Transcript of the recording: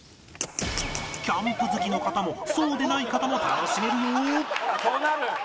キャンプ好きの方もそうでない方も楽しめるよ！